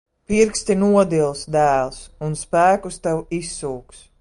Pirksti nodils, dēls. Un spēkus tev izsūks.